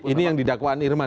ini yang didakwaan irman